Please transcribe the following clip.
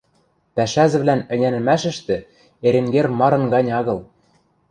Пӓшӓзӹвлӓн ӹнянӹмӓшӹштӹ Эренгер марын гань агыл.